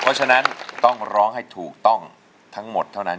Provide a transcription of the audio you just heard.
เพราะฉะนั้นต้องร้องให้ถูกต้องทั้งหมดเท่านั้น